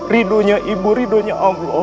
ridonya ibu ridonya wobloh